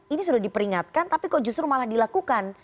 ini sudah diperingatkan tapi kok justru malah dilakukan